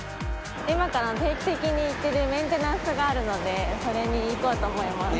今から定期的に行っているメンテナンスがあるのでそれに行こうと思います。